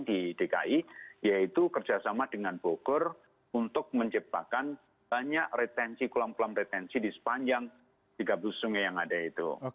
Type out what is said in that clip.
di dki yaitu kerjasama dengan bogor untuk menciptakan banyak retensi kolam kolam retensi di sepanjang tiga belas sungai yang ada itu